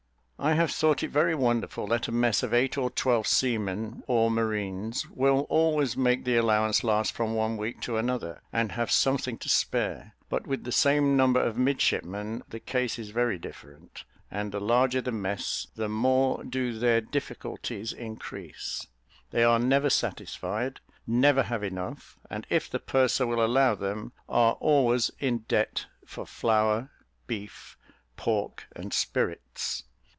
I have thought it very wonderful, that a mess of eight or twelve seamen or marines will always make the allowance last from one week to another, and have something to spare; but with the same number of midshipmen the case is very different, and the larger the mess the more do their difficulties increase; they are never satisfied, never have enough, and if the purser will allow them, are always in debt for flour, beef, pork, and spirits.